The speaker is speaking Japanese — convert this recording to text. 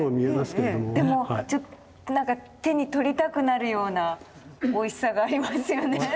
でもなんか手に取りたくなるようなおいしさがありますよね。